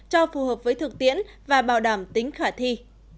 cho phù hợp với thực tiễn và bảo đảm tính khả thi